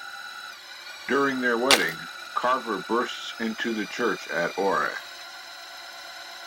During their wedding, Carver bursts into the church at Oare.